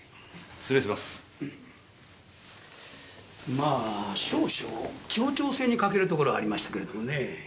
まぁ少々協調性に欠けるところはありましたけれどもねぇ。